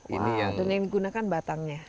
dan yang digunakan batangnya